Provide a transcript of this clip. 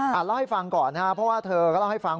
เล่าให้ฟังก่อนนะครับเพราะว่าเธอก็เล่าให้ฟัง